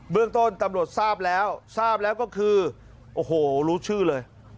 เรื่องต้นตำรวจทราบแล้วทราบแล้วก็คือโอ้โหรู้ชื่อเลย